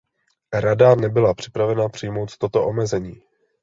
Rada nebyla připravena přijmout toto omezení.